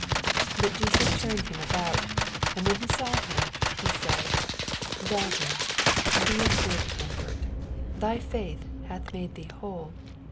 22 But Jesus turned him about, and when he saw her, he said, Daughter, be of good comfort: thy faith hath made thee whole.